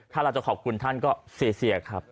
ถ้าเราจะขอบคุณท่านก็เสียครับ